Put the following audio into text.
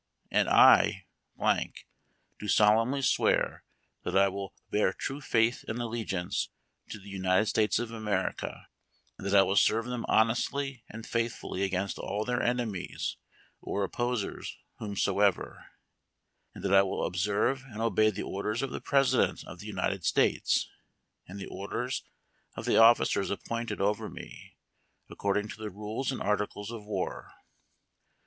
And I, do solemnly swear, that I will bear true faith and allegiance to the United States of America, and that I will serve them honestly and faithfully against all their enemies or opposers whomsoever; and that I will observe and obey the orders of the President of the United States, and the orders of the officers appointed over me, according to the liules and Articles of War.